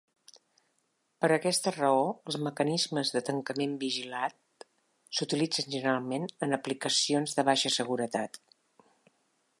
Per aquesta raó, els mecanismes de tancament vigilat s'utilitzen generalment en aplicacions de baixa seguretat.